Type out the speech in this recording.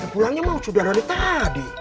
pulangnya mau sudah dari tadi